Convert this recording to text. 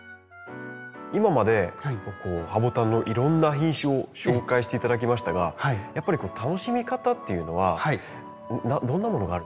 今までハボタンのいろんな品種を紹介して頂きましたがやっぱり楽しみ方っていうのはどんなものがある？